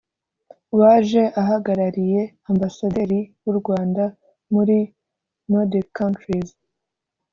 waje ahagarariye Ambassaderi w’u Rwanda muri Nordic countries